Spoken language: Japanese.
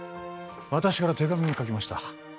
私から手紙も書きました